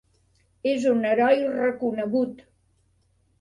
És un heroi reconegut.